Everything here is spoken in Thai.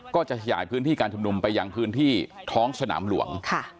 ก็จะขยายพื้นที่การชุมนุมไปยังพื้นที่ท้องสนามหลวง